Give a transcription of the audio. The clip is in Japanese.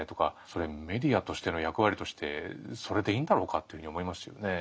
それメディアとしての役割としてそれでいいんだろうかというふうに思いますよね。